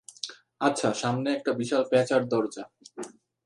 আচ্ছা, সামনে একটা বিশাল পেঁচার দরজা।